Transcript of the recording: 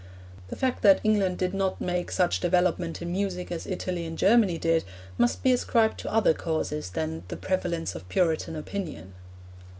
The fact that England did not make such development in music as Italy and Germany did, must be ascribed to other causes than 'the prevalence of Puritan opinion.'